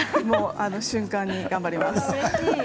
瞬間に頑張ります。